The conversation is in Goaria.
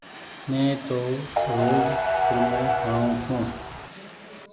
مي تو روز سرمو هڻو ڇون ۔